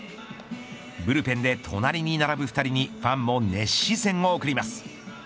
ブルペンで隣りに並ぶ２人にファンも熱視線を送ります。